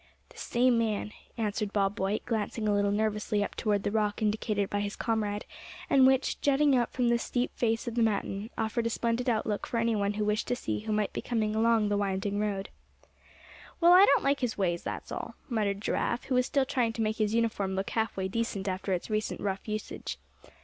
"The same man," answered Bob White, glancing a little nervously up toward the rock indicated by his comrade, and which, jutting out from the steep face of the mountain; offered a splendid outlook for any one who wished to see who might be coming along the winding road. "Well, I don't like his ways, that's all," muttered Giraffe, who was still trying to make his uniform look half way decent after its recent rough usage.